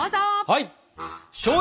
はい！